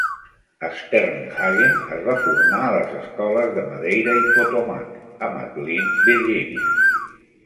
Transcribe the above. Sternhagen es va formar a les escoles de Madeira i Potomac a McLean, Virgínia.